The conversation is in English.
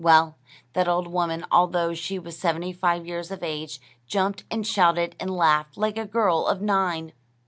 Well, that old woman, although she was seventy five years of age, jumped, and shouted, and laughed, like a girl of nine.